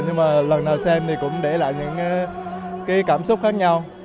nhưng mà lần nào xem thì cũng để lại những cái cảm xúc khác nhau